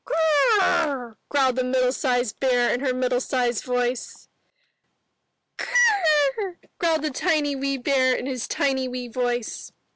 Gr r r!*' growled the middle sized bear in her middle sized voice. ''Gr r r!" growled the tiny wee bear in his tiny wee voice.